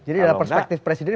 jadi dari perspektif presiden